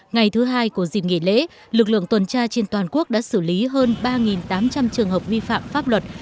ngày thứ hai của dịp nghỉ lễ lực lượng tuần tra trên toàn quốc đã xử lý hơn ba tám trăm linh trường hợp vi phạm pháp luật